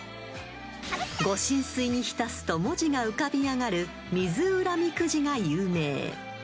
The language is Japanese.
［ご神水に浸すと文字が浮かび上がる水占みくじが有名］